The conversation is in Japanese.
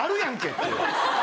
って。